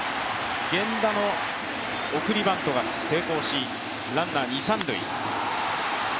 源田の送りバントが成功し、ランナー二・三塁。